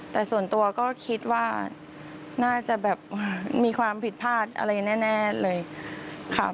แต่ส่วนตัวก็คิดว่าน่าจะแบบมีความผิดพลาดอะไรแน่เลยค่ะ